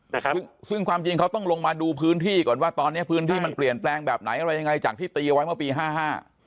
ครับซึ่งซึ่งความจริงเขาต้องลงมาดูพื้นที่ก่อนว่าตอนเนี้ยพื้นที่มันเปลี่ยนแปลงแบบไหนอะไรยังไงจากที่ตีเอาไว้เมื่อปีห้าห้า